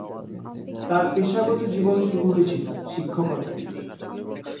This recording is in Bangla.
তার পেশাগত জীবন শুরু হয়েছিল শিক্ষকতা দিয়ে।